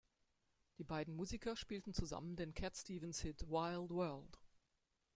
Die beiden Musiker spielten zusammen den Cat-Stevens-Hit "Wild World.